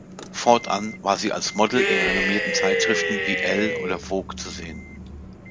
Fortan war sie als Model in renommierten Zeitschriften wie Elle oder Vogue zu sehen.